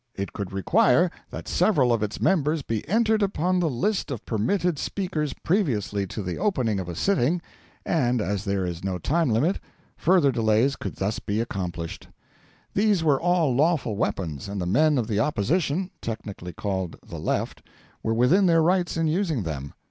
It could require that several of its members be entered upon the list of permitted speakers previously to the opening of a sitting; and as there is no time limit, further delays could thus be accomplished. These were all lawful weapons, and the men of the Opposition (technically called the Left) were within their rights in using them.